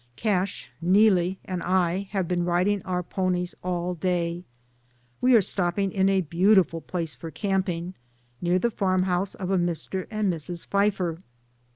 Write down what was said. Cash, Neelie and I have been riding our ponies all day. We are stopping in a beau tiful place for camping, near the farmhouse of a Mr. and Mrs. Fifer.